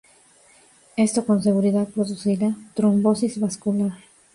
Esto con seguridad producirá trombosis vascular.